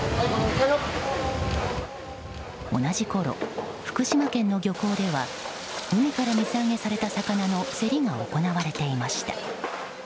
同じころ、福島県の漁港では海から水揚げされた魚の競りが行われていました。